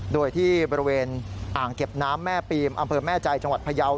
โดยที่บริเวณอ่างเก็บน้ำแม่ปีมอำเภอแม่ใจจังหวัดพยาว